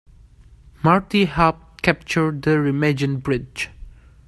Marty helped capture the Remagen Bridge.